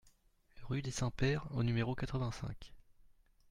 Rue des Saints-Pères au numéro quatre-vingt-cinq